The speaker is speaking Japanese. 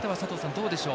どうでしょう？